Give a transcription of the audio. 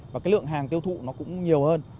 và cái lượng hàng tiêu thụ nó cũng nhiều hơn